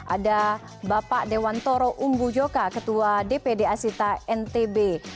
ada bapak dewantoro umbujoka ketua dpd asita ntb